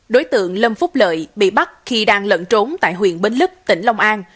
đối tượng lâm phúc lợi bị bắt khi đang lận trốn tại huyện bến lức tỉnh long an